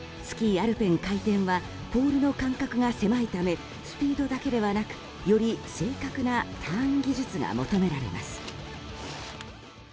スキーアルペン回転はポールの間隔が狭いためスピードだけではなくより正確なターン技術が求められます。